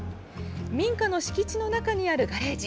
民家の敷地の中にあるガレージ。